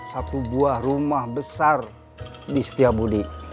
satu buah rumah besar di setiabudi